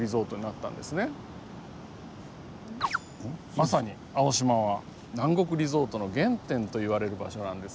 まさに青島は南国リゾートの原点といわれる場所なんです。